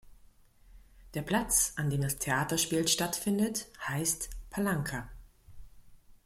Der Platz, an dem das Theaterspiel stattfindet, heißt "palanka".